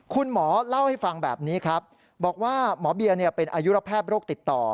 คุณหมอเล่าให้ฟังแบบนี้ครับบอกว่าหมอเบียเป็นอายุระแพทย์โรคติดต่อ